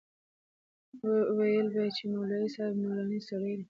ويل به يې چې مولوي صاحب نوراني سړى دى.